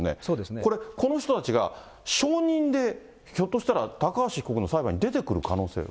これ、この人たちが証人でひょっとしたら、高橋被告の裁判に出てくる可能性は。